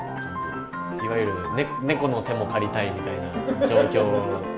いわゆる猫の手も借りたいみたいな状況です。